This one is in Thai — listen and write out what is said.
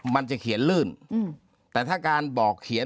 มันจะเขียนลื่นแต่ถ้าการบอกเขียน